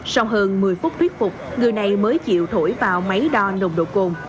sau hơn một mươi phút thuyết phục người này mới chịu thổi vào máy đo đồng độ côn